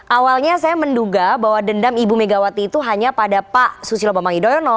awalnya saya menduga bahwa dendam ibu megawati itu hanya pada pak susilo bambang yudhoyono